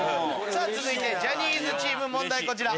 続いてジャニーズチーム問題こちら。